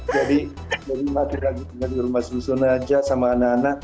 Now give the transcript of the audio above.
jadi jadi masih lagi di rumah susun aja sama anak anak